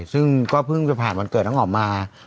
ซึ่งก็เพิ่งจะผ่านวันเกิดน้องอ๋อมมา